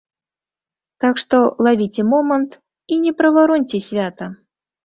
Так што лавіце момант і не правароньце свята!